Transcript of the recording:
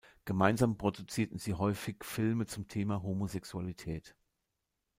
Gemeinsam produzierten sie häufig Filme zum Thema Homosexualität.